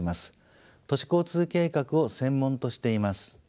都市交通計画を専門としています。